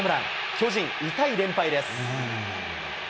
巨人、痛い連敗です。